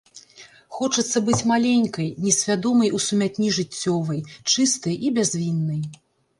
Хочацца быць маленькай, несвядомай у сумятні жыццёвай, чыстай і бязвіннай.